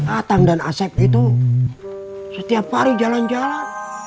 atang dan asep itu setiap hari jalan jalan